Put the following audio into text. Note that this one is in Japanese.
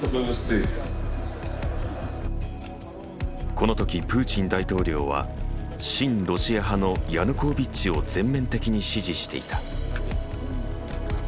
このときプーチン大統領は親ロシア派のヤヌコービッチを全面的に支持していた。